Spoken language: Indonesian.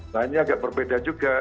nah ini agak berbeda juga